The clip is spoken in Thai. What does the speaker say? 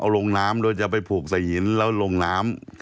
เอาลงน้ำโดยจะไปผูกสายหินแล้วลงน้ำ